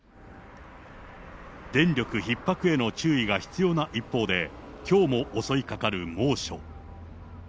電力ひっ迫への注意が必要な一方で、きょうも襲いかかる猛暑。